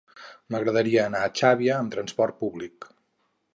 M'agradaria anar a Xàbia amb transport públic.